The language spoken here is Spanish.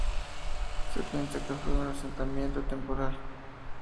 Se piensa que fue un asentamiento temporal.